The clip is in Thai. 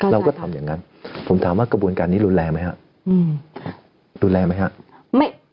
เราก็ทำอย่างนั้นผมถามว่ากระบวนการนี้รุนแรงไหมครับรุนแรงไหมครับ